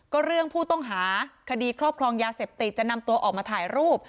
ก็เรื่องผู้ต้องหาคดีครอบครองยาเสพติดจะนำตัวออกมาถ่ายรูป